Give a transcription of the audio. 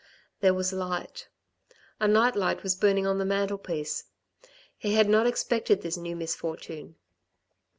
There was light ; a night light was burning on the mantelpiece. He had not expected this new misfortune.